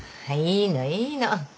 いいのいいの。